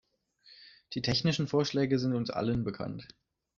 Die technischen Vorschläge sind uns allen bekannt.